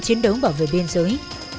chiến đấu bảo vệ biên giới